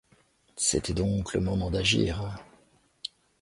C’était donc le moment d’agir.